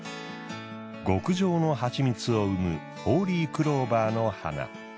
極上の蜂蜜を生むホーリークローバーの花。